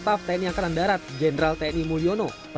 arti dari habrum mirjana